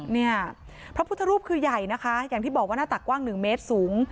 เนี่ยพระพุทธรูปคือใหญ่นะคะอย่างที่บอกว่าหน้าตักกว้าง๑เมตรสูง